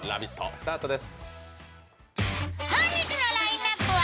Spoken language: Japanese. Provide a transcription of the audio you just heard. スタートです。